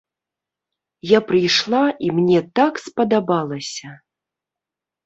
Я прыйшла і мне так спадабалася!